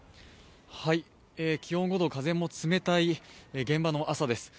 気温５度、風も冷たい現場の朝です。